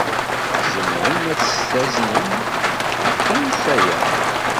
Tzemrem ad tt-taznem ɣer tansa-a?